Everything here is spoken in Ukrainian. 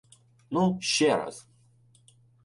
— Ну, ще раз!